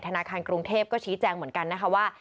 ธนาคารกรุงเทพก็ชี้แจงเหมือนกันนะคะว่า